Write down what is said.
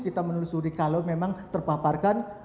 kita menelusuri kalau memang terpaparkan